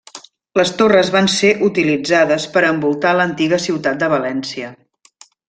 Les torres van ser utilitzades per a envoltar l'antiga ciutat de València.